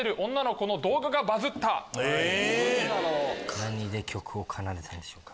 何で曲を奏でたんでしょうか？